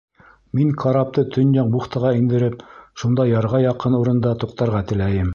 Мин карапты Төньяҡ бухтаға индереп, шунда ярға яҡын урында туҡтарға теләйем.